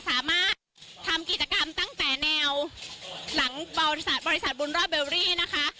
สามารถทำกิจกรรมตั้งแต่แนวหลังบริษัทบุญรอดเบอรี่นะคะ